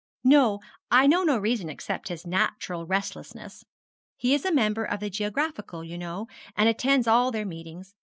'No; I know no reason except his natural restlessness. He is a member of the Geographical, you know, and attends all their meetings.